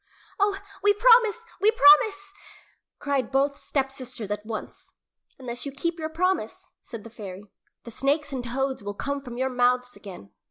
"Oh, we promise! We promise!" cried both stepsisters at once. "Unless you keep your promise," said the fairy, "the snakes and toads will come from your mouths again."